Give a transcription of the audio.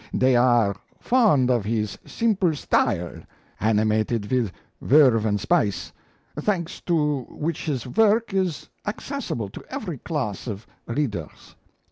They are fond of his simple style, animated with verve and spice, thanks to which his work is accessible to every class of readers.